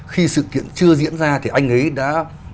khi sự kiện chưa diễn ra thì anh ấy đã